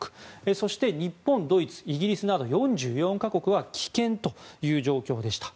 そして日本、ドイツ、イギリスなど４４か国は棄権という状況でした。